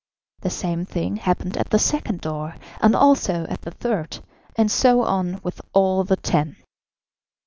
The same thing happened at the second door, and also at the third, and so on with all the ten.